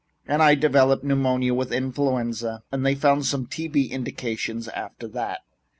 And I developed pneumonia with influenza and they found some T.B. indications after that.